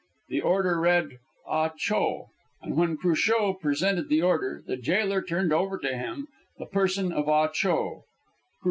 The order read "Ah Cho," and, when Cruchot presented the order, the jailer turned over to him the person of Ah Cho.